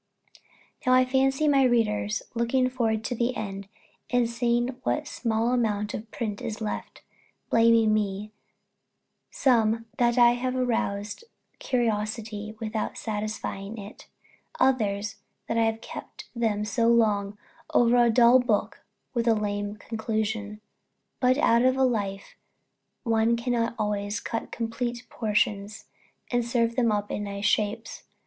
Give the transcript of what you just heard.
Now I fancy my readers, looking forward to the end, and seeing what a small amount of print is left, blaming me; some, that I have roused curiosity without satisfying it; others, that I have kept them so long over a dull book and a lame conclusion. But out of a life one cannot always cut complete portions, and serve them up in nice shapes.